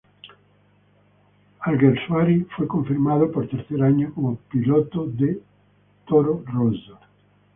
Alguersuari fue confirmado por tercer año como piloto de Toro Rosso.